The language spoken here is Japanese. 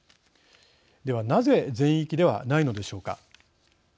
では、なぜ全域ではないのでしょうか。